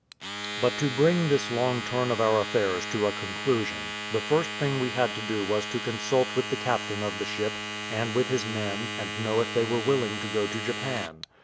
But to bring this long turn of our affairs to a conclusion; the first thing we had to do was to consult with the captain of the ship, and with his men, and know if they were willing to go to Japan.